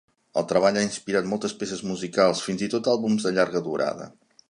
El treball ha inspirat moltes peces musicals, fins i tot àlbums de llarga durada.